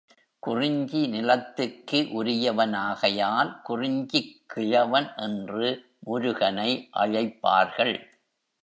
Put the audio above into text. குறிஞ்சி நிலத்துக்கு உரியவனாகையால் குறிஞ்சிக் கிழவன் என்று முருகனை அழைப்பார்கள்.